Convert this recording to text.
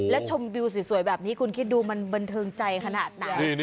แล้วชมวิวสวยแบบนี้คุณคิดดูมันบันเทิงใจขนาดไหน